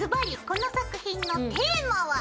この作品のテーマは？